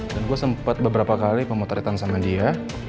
dan gue sempet beberapa kali pemotretan sama dia